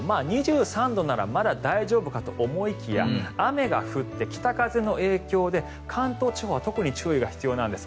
２３度ならまだ大丈夫かと思いきや雨が降ってきて、風の影響で関東地方は特に注意が必要なんです。